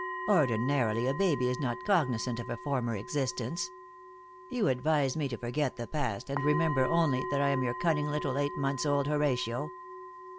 Ordinarily, a baby is not cognizant of a former existence. You advise me to forget the past and remember only that I am your cunning little eight months old Horatio.